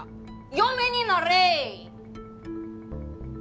嫁になれぇ！